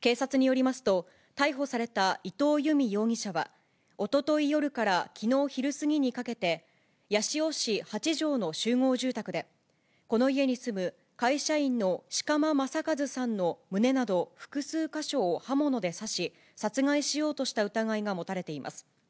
警察によりますと、逮捕された伊藤由美容疑者は、おととい夜からきのう昼過ぎにかけて、八潮市八條の集合住宅で、この家に住む会社員の志鎌正一さんの胸など、複数か所を刃物で刺し、殺害しようとした疑いが持たれています。